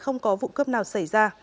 không có vụ cướp nào xảy ra